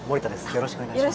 よろしくお願いします。